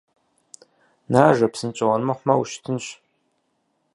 Нажэ, псынщӀэу, армыхъумэ, ущтынщ.